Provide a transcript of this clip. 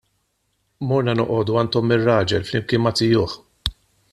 Morna noqogħdu għand omm ir-raġel flimkien ma' zijuh.